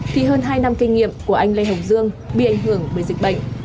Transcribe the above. thì hơn hai năm kinh nghiệm của anh lê hồng dương bị ảnh hưởng bởi dịch bệnh